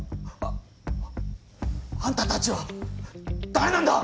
ああんたたちは誰なんだ！？